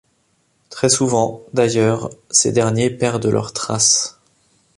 Très souvent, d’ailleurs, ces derniers perdent leur trace.